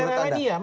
di daerah lain iya